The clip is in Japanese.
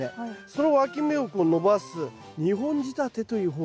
そのわき芽を伸ばす２本仕立てという方法もあるんです。